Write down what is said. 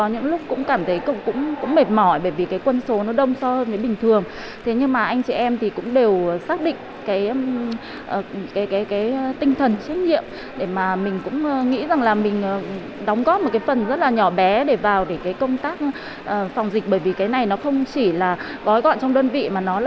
hà nội hà nội hà nội